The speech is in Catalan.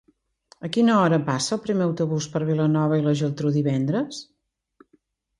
A quina hora passa el primer autobús per Vilanova i la Geltrú divendres?